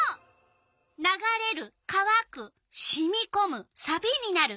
「ながれる」「かわく」「しみこむ」「さびになる」。